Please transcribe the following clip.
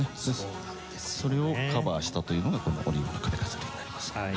それをカバーしたというのがこの『オリーブの首飾り』になります。